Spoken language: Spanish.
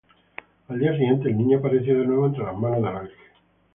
Al día siguiente, el Niño apareció de nuevo entre las manos de la Virgen.